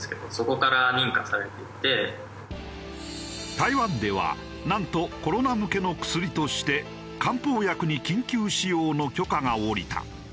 台湾ではなんとコロナ向けの薬として漢方薬に緊急使用の許可が下りた。